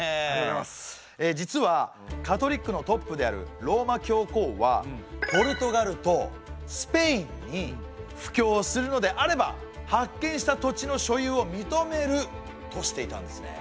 実はカトリックのトップであるローマ教皇はポルトガルとスペインに布教するのであれば発見した土地の所有を認めるとしていたんですね。